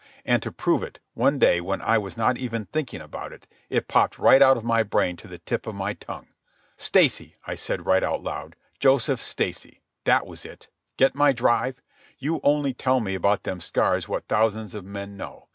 And to prove it, one day, when I was not even thinking about it, it popped right out of my brain to the tip of my tongue. 'Stacy,' I said right out loud. 'Joseph Stacy.' That was it. Get my drive? "You only tell me about them scars what thousands of men know.